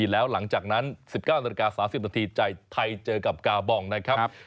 แล้วหลังจากนั้น๑๙๓๐ใจไทยเจอกับกาบองนะครับ